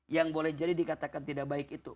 yang boleh jadi dikatakan tidak baik itu